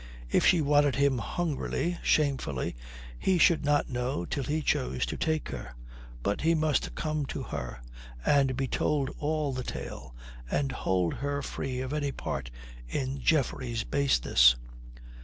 If she wanted him hungrily, shamefully, he should not know till he chose to take her. But he must come to her and be told all the tale, and hold her free of any part in Geoffrey's baseness.